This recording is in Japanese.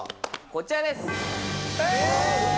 こちらです。